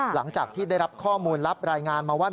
หลังจากที่ได้รับข้อมูลรับรายงานมาว่า